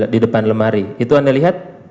di depan lemari itu anda lihat